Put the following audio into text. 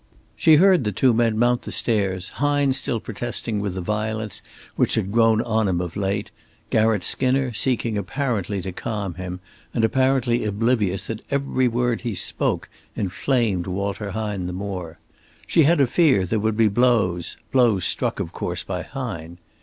She heard the two men mount the stairs, Hine still protesting with the violence which had grown on him of late; Garratt Skinner seeking apparently to calm him, and apparently oblivious that every word he spoke inflamed Walter Hine the more. She had a fear there would be blows blows struck, of course, by Hine.